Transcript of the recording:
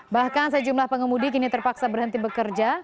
bahkan sejumlah pengemudi kini terpaksa berhenti bekerja